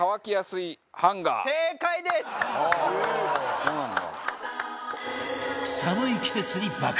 ああそうなんだ。